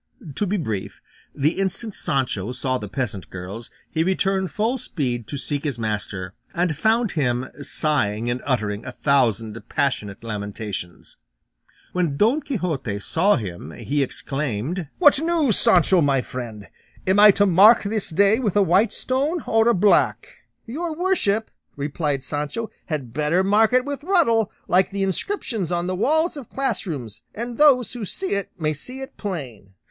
To be brief, the instant Sancho saw the peasant girls, he returned full speed to seek his master, and found him sighing and uttering a thousand passionate lamentations. When Don Quixote saw him he exclaimed, "What news, Sancho, my friend? Am I to mark this day with a white stone or a black?" "Your worship," replied Sancho, "had better mark it with ruddle, like the inscriptions on the walls of class rooms, that those who see it may see it plain."